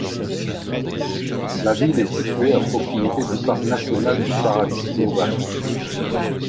La ville est située à proximité du parc national du Paradis slovaque.